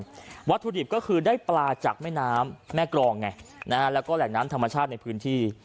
วัตถุดิบก็คือได้ปลาจากแม่น้ำแม่กรองไงนะฮะแล้วก็แหล่งน้ำธรรมชาติในพื้นที่